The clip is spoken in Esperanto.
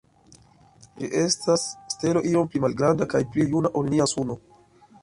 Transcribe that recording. Ĝi estas stelo iom pli malgranda kaj pli juna ol nia Suno.